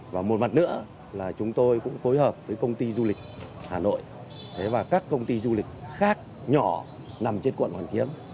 và một mặt nữa là chúng tôi cũng phối hợp với công ty du lịch hà nội và các công ty du lịch khác nhỏ nằm trên quận hoàn kiếm